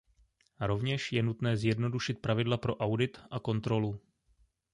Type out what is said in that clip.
Rovněž je nutné zjednodušit pravidla pro audit a kontrolu.